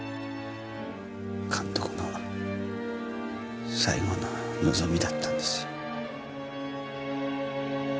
監督の最後の望みだったんですよ。